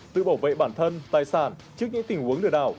tự bảo vệ bản thân tài sản trước những tình huống lừa đảo